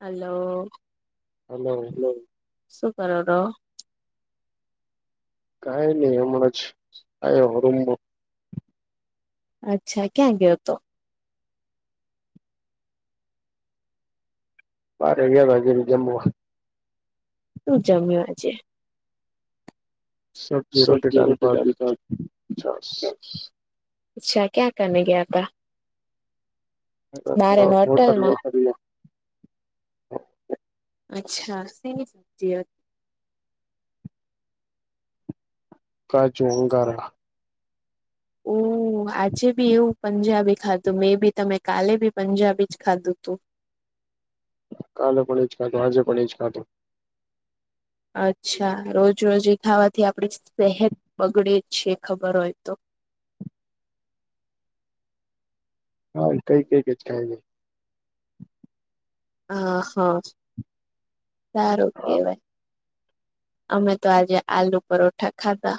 હીલો [inaudible] શું કરો ર કઈ નહી હમણાં જ આ હમ અચ્છા ક્યાં ગયો હતો. બરે વયાર વાગે જમવા શું જમ્યો આજે સબ્જી રોટી દાલ ભાત છાસ અચ્છા ક્યા ગયા આપ મારે હોટલમા હોટલમાં અચ્છા સ સબજીત કા ચુંંગાર [inaudible] આજે બી એવું પંજાબી ખાધું મે બી તમે કાલે બી પંજાબી જ ખાધું તુ કાલે પણ જ ખાધું આજે પણ એ જ ખાધુ અચ્છા રોજ રોજી ખાવાથી આપડી સહત બગડે છે, ખબર હોય તો હા કઈ કઈક જ ખાય છે. આહા સારું હા કેવાય અમે તો આજે આલુ પરોઠા ખાધા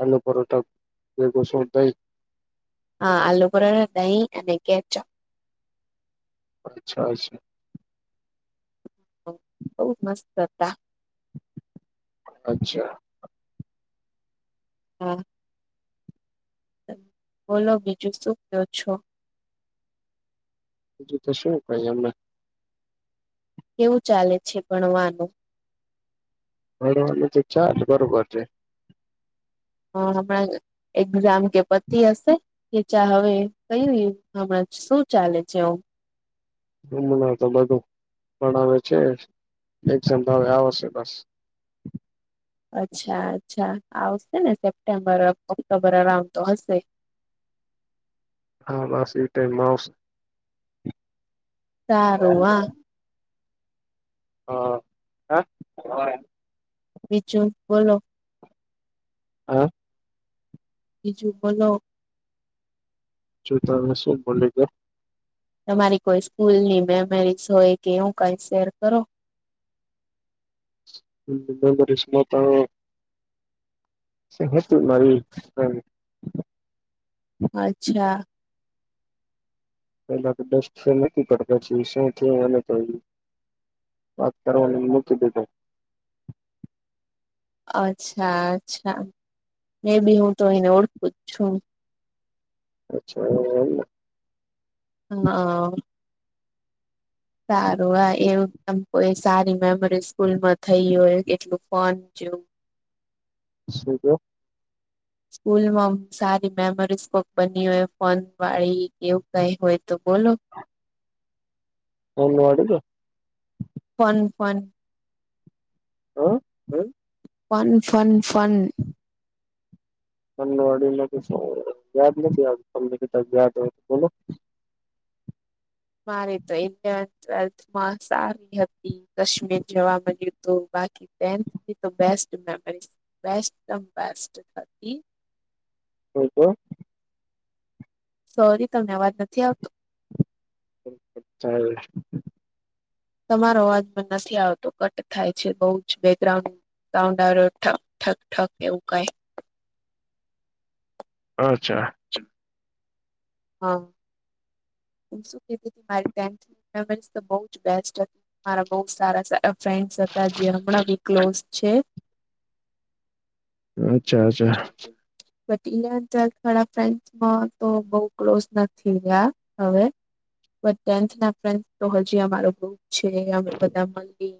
અ્ય પર્યટક જે શોઈ હા આલુ પુરણ દહી અને કેચા અચ્છા અચ્છા હ બૌ મસ્ત કર હતા. અચ્છા [inaudible] બોલો બીજું શું કયો છો. બીજું તો શું કઈ એમને કેવું ચાલે છે, ભણવાનુ હવાની તોછા બરોબર છે. હ હણા એક્ઝામ કે પતિ હશે. કે ચા હવે કય હમણાં શું ચાલે છે. હમ ના તો બધું પણ આવે છે, એક્ઝામ હ આવશે બસ અચ્છા અચ્છા આવશે ને સેપ્ટેમ્બર ઓક્ટોબર અરાઉન્ડ તો હશે. હા બસ એ ટાઈમ મા આવ સારુંવા હ હા હ બચન બોલો હા બીજું બોલો છું તમે શું બોલી કે તમારી કોઈ સ્કૂલની મેમરીઝ હોય કે એવું કઈ શેર કરો [unintelligible] સમસ્તુ મારી હ અચ્છા પેલા તો દસ છે નથી પડતા છે શું થયુ અને પયડું વાત કરવાનું મુકી દીધૂ અચ્છા અચ્છા મે બી હું તો એને ઓળખું જ છું. અચ્છા હા સારું આ એવું એમ કોઈ સારી મેમરી સ્કૂલમાં થઈ હોય કેટલું ફોન જોવુ શુ કેવ [inaudible] સ્કૂલમાં સારી મેમરીઝ કોક બની હોય ફોન વાળી એવું કઈ હોય તો બોલો ફોન વાળી તો ફોન ફોન હ હ ફોન ફોન ફોન ફોન વાડીમા તો શું યાદ નથી આવતુ તમને કદાચ યાદ હોય તો બોલો મારી તો ઇન્ટર્ન ટ્વેલ્થમાં સારી હતી કાશ્મીર જવા મળ્યું તો બાકી ટેથની તો બેસ્ટ મેમરી બેસ્ટમ બેસ્ટ હતી હું તો સોરી તમને અવાજ નથી આવતો [unintelligible] તમારો અવાજમાં પણ નથી આવતો કટ થાય છે બઉ જ બેકગ્રાઉન્ડ કઉડાર ઠક ઠક ઠક એવું કઈ અચ્છા હા અન શુ કીધૂ મારી ટેન્થ ના બેન્ચ તો બહુ જ બેસ્ટ હ મારા બહુ સારા સારા ફ્રેન્ડ છતા જે હમણાં બી ક્લોઝ છે અચ્છા અચ્છા પીયાંન્ત ઘણા બેન્ચમા તો બઉ ક્લોઝ નથી રહ્યા હવે પણ ટેન્થ ના ફ્રેન્ડસના તો હજી અમારું બઉ છે અમે બધા મલી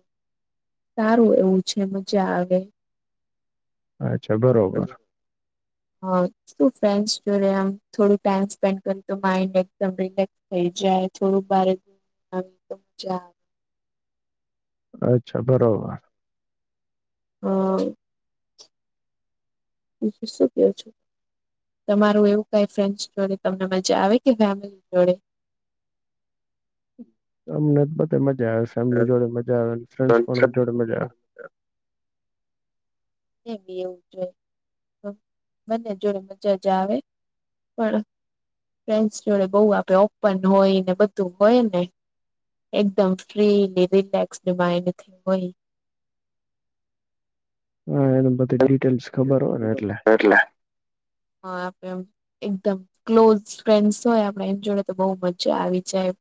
સારું એવું છે મજા આવે અચ્છા બરોબર હા તું ફ્રેન્ડ્સ જોડે આમ થોડો ટાઇમ સ્પેન્ડ કરે તો માઇન્ડ એકદમ રિલેક્સ થઈ જાય થોડુંક બારે આમ તો મજા આવે અચ્છા બરોબર હા બીજું શુ કેવો છો તમારું એવું કઈ ફ્રેન્ડ જોડે તમને મજા આવે કે ફેમિલી જોડે અમને બધે મજા આવે ફેમિલી જોડે મજા આવે ફ્રેન્ડસ પણ જોડે મજા આવે એ બી એવું જોઈએ મને જોઈ મજા જ આવે. પણ ફ્રેન્ડસ જોડે બોવ આપે ઓપન હોય ને બધું હોય ને એકદમ ફ્રીલી રિલેક્સ માઇન્ડ થી હોય. હા અને બધી ડિટેલ્સ ખબર હોય ને એટલે હા આપડે આમ એકદમ ક્લોઝ ફ્રેન્ડ્સ હોય આપણે એની જોડે તો બો મજા આવી જાય.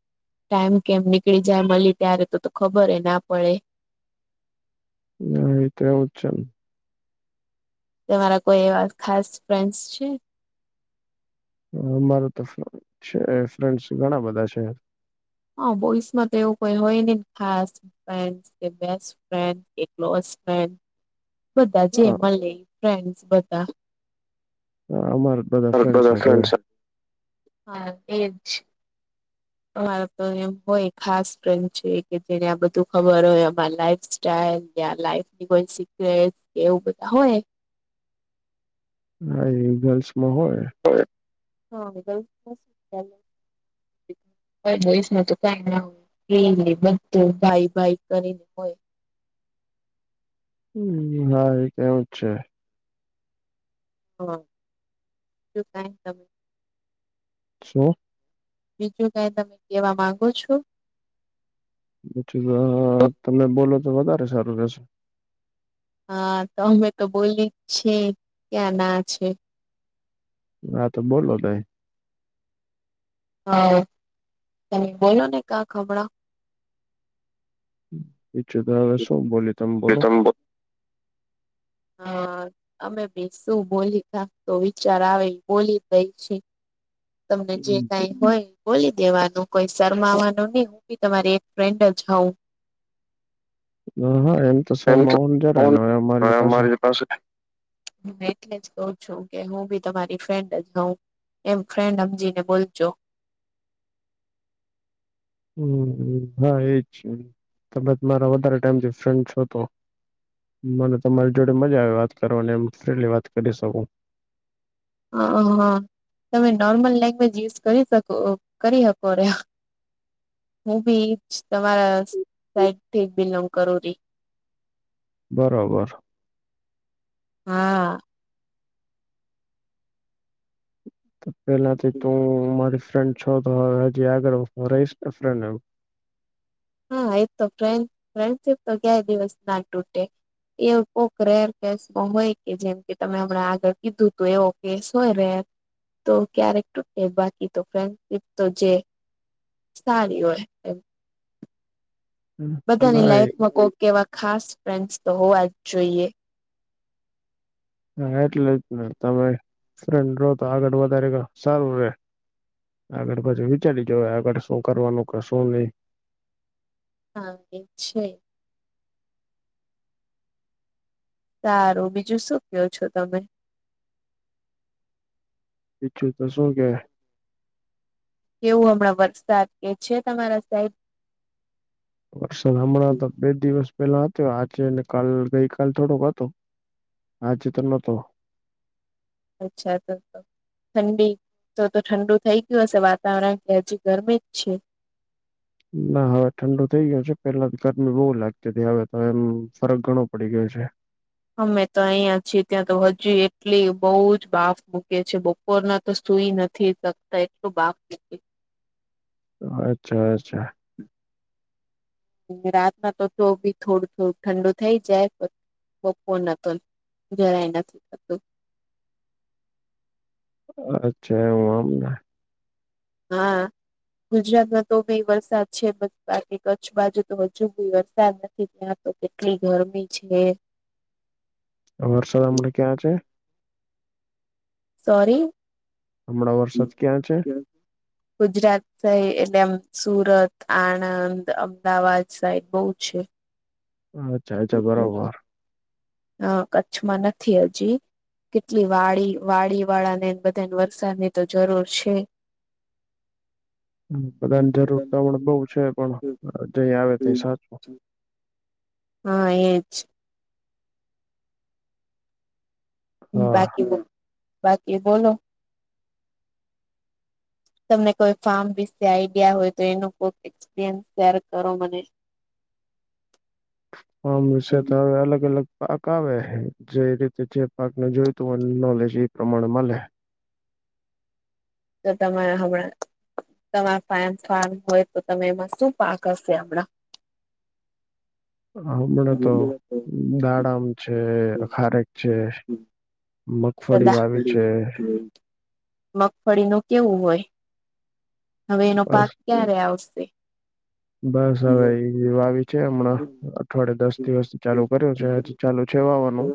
ટાઈમ કેમ નીકળી જાય મલીયે ત્યારે તો તો ખબર એ ના પડે. આ રીતે એવું જ છે એમ. તમારા કોઈ એવા ખાસ ફ્રેન્ડસ છે? અમારા તો છે ફ્રેન્ડ્સ ઘણા બધા છે. હા બોઈસ માં તો એવું કઈ હોય ની ખાસ. ફ્રેન્ડ્સ કે બેસ્ટ ફ્રેન્ડ કે ક્લોઝ ફ્રેન્ડ. બધા જે હા મળે એ ફ્રેન્ડ્સ બધા. અમારે બધા ફ્રેન્ડસ જ હોય હા એજ. હા તો એમ હોય ખાસ ફ્રેન્ડ્સ છે કે જેને આ બધું ખબર હોય અમાર લાઈફ ક્યાં લાઈફ ની કોઈ સિક્રેટ કે એવું કઈ હોય હા એ ગર્લ્સ માં હોય. હોય. બોયઝ માં તો કઈ ના હોય ફ્રીલી બધું ભાઈ ભાઈ કરીને હોય. હમમ હા એ તો એવુ જ છે. હા. શું? બીજું કાઈ તમે કેવા માંગો છો? પછી ના તમે બોલો તો વધારે સારું રહેશે. હા તો અમે તો બોલી જ છેીએ ક્યાં ના છે. હા તો બોલો ને. હા તય બોલો ને કા ખભડા બીજું તો હવે હમણાં શું બોલીયે તમે બોલો? હા અમે બી શું બોલી કાક તો વિચાર આવે એ બોલી દઈ છે. તમને જે હમ. કાઈ હોય બોલી દેવાનું કોઈ શરમાવાનું ની હું બી તમારી એક ફ્રેન્ડ જ હોઉં. હા હા એમ તો સરમાવાનું જરાય ન હોય અમારી પાસે. હા એટલે જ કઉ છું કે હું બી તમારી ફ્રેન્ડ જ હઉ. ફ્રેન્ડ હમજી ને બોલજો. હમમ હા એજ છે કદાચ મારા વધારે ટાઈમ થી ફ્રેન્ડ છો તો મને તમારી જોડે મજા આવે વાત કરવાની એમ ફ્રીલી વાત કરી શકું. હા હા તમે નોર્મલ લેંગ્વેજ યુઝ કરી શકો કરી શકો રે. હું બી તમારા સાઈડ થી બિલોંગ કરું રહી. [inaudible] બરોબર. હા. તો પેલાથી તો હું મારી ફ્રેન્ડ છો તો હવે હજી આગળ રહીશ ને ફ્રેડ એમ. હા એ તો ફ્રેન્ડ ફ્રેન્ડશિપ તો કાય દિવસ ના ટુટે. એ કોક રેર કેસમાં હોય કે જેમ કે તમે હમણાં આગળ કીધું તો એવો કેસ હોય રેર. તો ક્યારેક તૂટે બાકી તો ફ્રેન્ડશિપ તો જે સારી હોય એ બધાની હા લાઈફમાં કોઈક એવા ખાસ ફ્રેન્ડસ તો હોવા જ જોઈએ હા એટલે જ ને તમે ફ્રેન્ડ રહો તો આગળ વધારે ગ સારું રે આગળ પછી વિચારી જ આગળ શું કરવાનું કે શું નહી હા એ છે સારું બીજું શું કયો છો તમે બીજું તો શુ કેહ કેવું હમણાં વરસાદ કે છે તમારા સાઈડ સર હમણાં તો બે દિવસ પેલા હતો આજેને કાલ ગઈ કલ થોડોક હતો આજે તો નોતો અચ્છા તો ઠંડી તો તો ઠંડુ થઈ ગયું હશે વાતાવરણ કે હજી ગરમી જ છે ના હવે ઠંડુ થઇ ગયું છે પેલા તો ગરમી બહુ લાગતી હતી હવે તો એમ ફરક ઘણો પડી ગયો છે અમે તો અહિયાં છીએ ત્યાં તો હજુ એટલી બહુ જ બાફ બૂકે છે બ બપોર ના તો સુઈ નથી શકતા એટલું બાફ છૂટે છે અચ્છા અચ્છા રાત માં તો તો ભી થોડું થોડું ઠંડુ થઈ જાય બપોરના તો જરાય નથી થતું અચ્છા એવું આમને હા ગુજરાતમાં તો ભી વરસાદ છે બાકી કચ્છ બાજુ તો હજુ ભી વરસાદ ત્યાં તો કેટલી ગરમી છે વરસાદ હમણાં ક્યાં છે સોરી હમણાં વરસાદ ક્યાં છે [inaudible] ગુજરાત સાઈડ એટલે આમ સુરત આણંદ અમદાવાદ સાઈડ બહુ છે અચ્છા અચ્છા બરોબર હ કચ્છમાં નથી હજી કેટલી વાડી વાડી વાળા ને બધાને વરસાદ ની તો જરૂર છે હ બધાની જરૂર તો પણ બઉ છે પણ જઈ આવે ત સારુ હા એજ હમ્મ હા બાકી બો બાકી બોલો તમને કોઈ ફાર્મ વિશે આઈડિયા હોય તો એનું કોઈક એક્સપિરિયન્સ શેર કરો મને [inaudible] હમશે તો હવે અલગ અલગ પાક આવે જે રીતે જે પાકને જોયતું હો નોલેજ એ પ્રમાણે મળે તો તમા રે હમણાં તમારા ફમ ફમ હોય તો તમે એમાં શું પાક હશે હમણાં [inaudible] હમણાં તો દાડામ છે અ ખારેક છે મગફળી કદા વાવી છે મગફળીનૂ કેવું હોય હવે એનો બસ પાક ક્યારે આવશે બસ હવે એ આવી છે હમણાં અઠવાડયે દસ દિવસ ચાલુ કર્યું છે ચાલુ છે વાવાનું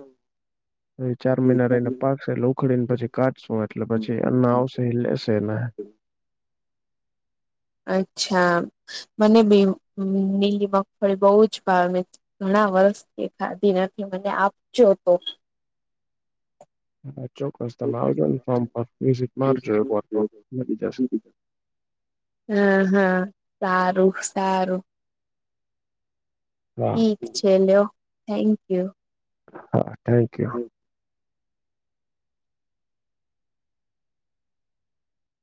ચાર મહિના રહીને પાકશે એટલ ઉખડી ને પછી કાઢશું એટલે પછી એના આવશે એ લેશે એના અચ્છા મને બી નીલી મગફળી બહુ જ ભાવે, ઘણા વર્ષથી ખાદી નથી મને આપજો તો, હા ચોક્કસ તમે આવજો ને ફોર્મ પર વિઝિટ મારજો એ તો લી જશે. હા હા સારું સારું, હા ઠીક છે લ્યો થેન્ક યુ. Thank you.